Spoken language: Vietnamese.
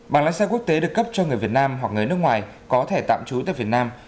bằng lái xe quốc tế được cấp cho người việt nam hoặc người nước ngoài có thể tạm trú tại việt nam